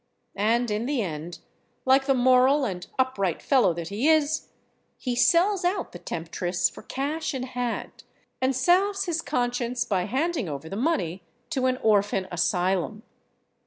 And in the end, like the moral and upright fellow that he is, he sells out the temptress for cash in hand, and salves his conscience by handing over the money to an orphan asylum.